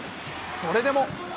それでも。